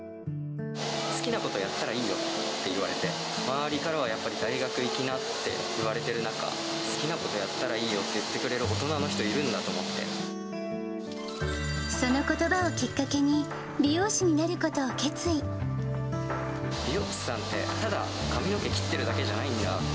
好きなことやったらいいよって言われて、周りからはやっぱり、大学行きなって言われている中、好きなことやったらいいよって言ってくれる大人の人、いるんだとそのことばをきっかけに、美容師さんって、ただ髪の毛切ってるだけじゃないんだと。